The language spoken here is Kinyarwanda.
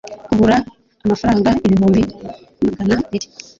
kagura amafaranga ibihumbi mgana biri